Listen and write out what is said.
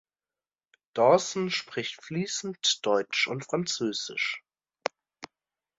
Dawson spricht fließend Deutsch und Französisch.